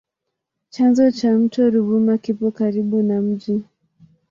Chanzo cha mto Ruvuma kipo karibu na mji.